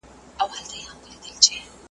د برس ساتنه د خولې د ناروغیو مخه نیسي.